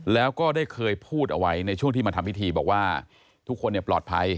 แล้วก็ได้เคยพูดเอาไว้ในช่วงที่มาทำพิธีบอกว่าทุกคนปลอดภัย